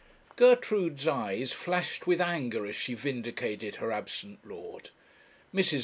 Gertrude's eyes flashed with anger as she vindicated her absent lord. Mrs.